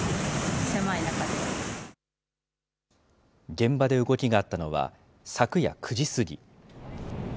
現場で動きがあったのは、昨夜９時過ぎ。